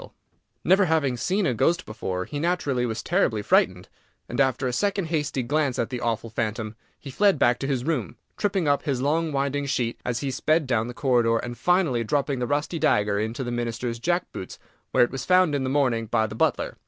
[Illustration: "ITS HEAD WAS BALD AND BURNISHED"] Never having seen a ghost before, he naturally was terribly frightened, and, after a second hasty glance at the awful phantom, he fled back to his room, tripping up in his long winding sheet as he sped down the corridor, and finally dropping the rusty dagger into the Minister's jack boots, where it was found in the morning by the butler.